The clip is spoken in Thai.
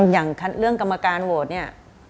อย่างเรื่องกรรมการโหวตเนี่ย